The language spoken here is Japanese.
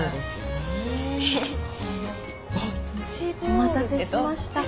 お待たせしました。